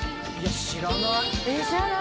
知らない？